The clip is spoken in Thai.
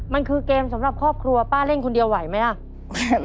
มันคือเกมสำหรับครอบครัวป้าเล่นคนเดียวไหวไหมอ่ะ